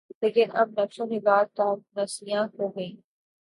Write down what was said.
لیکن اب نقش و نگارِ طاق نسیاں ہو گئیں